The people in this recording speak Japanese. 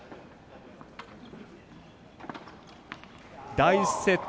第１セット